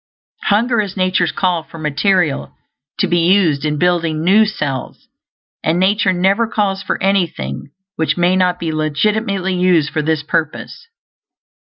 Hunger is nature's call for material to be used in building new cells, and nature never calls for anything which may not be legitimately used for this purpose.